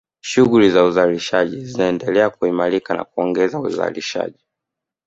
Shughuli za uzalishaji zinaendelea kuimarika na kuongeza uzalishaji